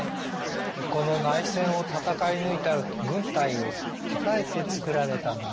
この内戦を戦い抜いた軍隊をたたえて作られたのは。